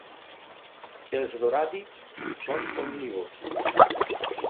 Els doràdids són omnívors.